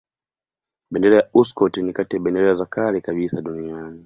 Bendera ya Uskoti ni kati ya bendera za kale kabisa duniani.